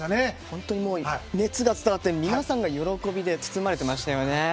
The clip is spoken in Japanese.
本当に熱が伝わって皆さんが喜びで包まれていましたね。